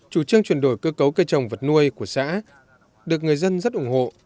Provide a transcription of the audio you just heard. chủ trương chuyển đổi cơ cấu cây trồng vật nuôi của xã được người dân rất ủng hộ